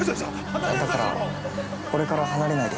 だから俺から離れないで。